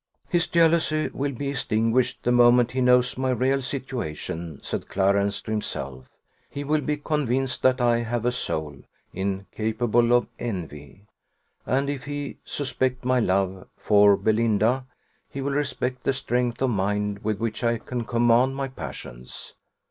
"His jealousy will be extinguished the moment he knows my real situation," said Clarence to himself. "He will be convinced that I have a soul incapable of envy; and, if he suspect my love for Belinda, he will respect the strength of mind with which I can command my passions.